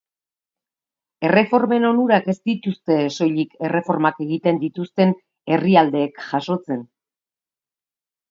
Erreformen onurak ez dituzte soilik erreformak egiten dituzten herrialdeek jasotzen.